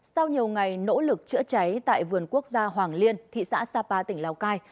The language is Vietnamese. sau nhiều ngày nỗ lực chữa cháy tại vườn quốc gia hoàng liên thị xã sapa tỉnh lào cai